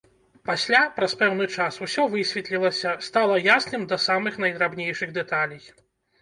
Пасля, праз пэўны час, усё высветлілася, стала ясным да самых найдрабнейшых дэталей.